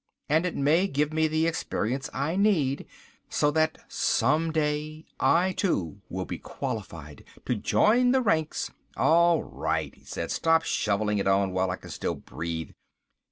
And it may give me the experience I need, so that some day, I, too, will be qualified to join the ranks...." "All right," he said. "Stop shoveling it on while I can still breathe.